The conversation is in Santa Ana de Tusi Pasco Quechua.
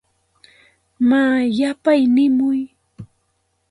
Maa yapay nimuy.